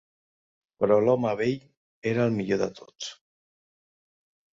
Però l'home vell era el millor de tots.